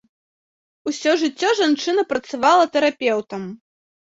Усё жыццё жанчына працавала тэрапеўтам.